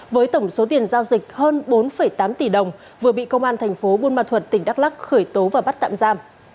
với tổng số tiền giao dịch hơn bốn tám tỷ đồng vừa bị công an tp bunma thuật tỉnh đắk lắc khởi tố và bắt tạm giam